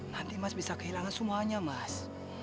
nanti mas bisa kehilangan semuanya mas